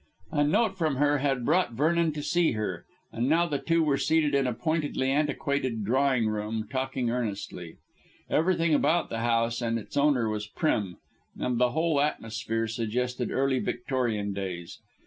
A note from her had brought Vernon to see her, and now the two were seated in a pointedly antiquated drawing room, talking earnestly. Everything about the house and its owner was prim, and the whole atmosphere suggested early Victorian days.